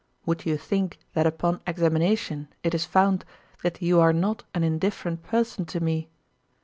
Would you think that upon examination it is found that you are not an indifferent person to me?